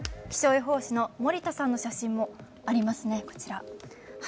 気象予報士の森田さんの写真もありますね、こちら。